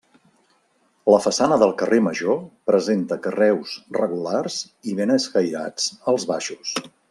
La façana del carrer Major presenta carreus regulars i ben escairats als baixos.